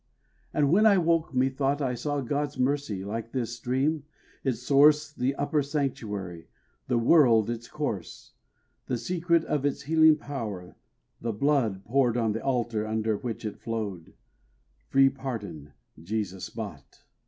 And when I woke methought I saw God's mercy, like this stream, its source The Upper Sanctuary this world its course The secret of its healing power, the blood Poured on the altar under which it flowed, Free pardon Jesus bought.